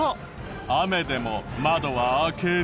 雨でも窓は開ける？